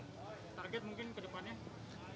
target mungkin ke depannya